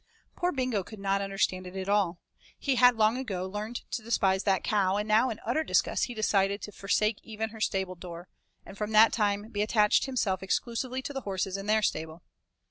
Poor Bingo could not understand it at all. He had long ago learned to despise that cow, and now in utter disgust he decided to forsake even her stable door, and from that time be attached himself exclusively to the horses and their stable.